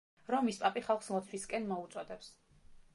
რომის პაპი ხალხს ლოცვისკენ მოუწოდებს.